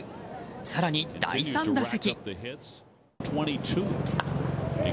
更に第３打席。